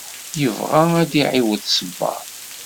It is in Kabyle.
Yebɣa ad d-iɛiwed sebbaḍ.